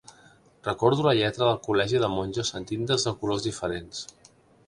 Recordo la lletra de col·legi de monges en tintes de colors diferents.